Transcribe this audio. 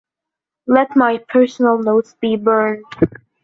Let my personal notes be burned.